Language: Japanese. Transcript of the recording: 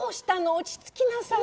落ち着きなさいよ光彦。